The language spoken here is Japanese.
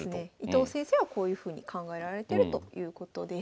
伊藤先生はこういうふうに考えられてるということです。